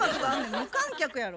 無観客やろ。